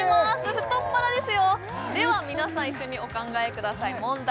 太っ腹ですよでは皆さん一緒にお考えください問題